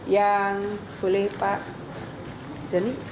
yang boleh pak jani